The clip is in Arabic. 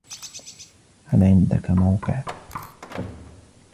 هل عندك موقع ؟